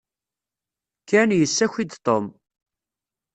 Ken yessaki-d Tom.